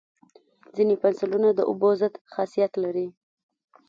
ځینې پنسلونه د اوبو ضد خاصیت لري.